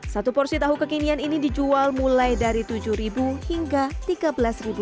satu porsi tahu kekinian ini dijual mulai dari rp tujuh hingga rp tiga belas